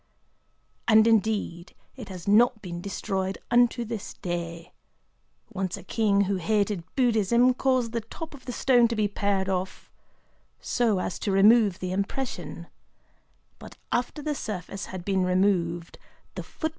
And indeed it has not been destroyed unto this day. Once a king who hated Buddhism caused the top of the stone to be pared off, so as to remove the impression; but after the surface had been removed, the footprints reappeared upon the stone."